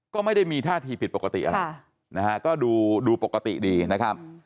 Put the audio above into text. ก็ไม่ได้มีท่าทีผิดปกติอะไรนะฮะก็ดูปกติดีนะครับ